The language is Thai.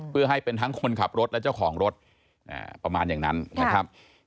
เพื่อให้เป็นทั้งคนขับรถและเจ้าของรถประมาณอย่างนั้นนะครับ